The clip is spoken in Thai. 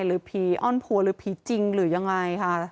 หรือผีอ้อนผัวหรือผีจริงหรือยังไงค่ะ